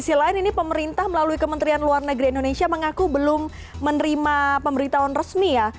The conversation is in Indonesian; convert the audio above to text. selain ini pemerintah melalui kementerian luar negeri indonesia mengaku belum menerima pemberitaan resmi ya